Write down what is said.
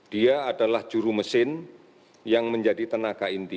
dia adalah juru mesin yang menjadi tenaga inti